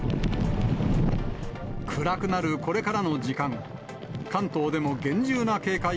暗くなるこれからの時間。